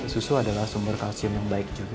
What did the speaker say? susu adalah sumber kalsium yang baik juga